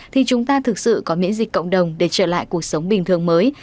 thì chúng ta thực sự có miễn dịch cộng đồng để trở lại cuộc sống bình thường mới